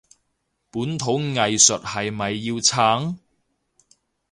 本土藝術係咪要撐？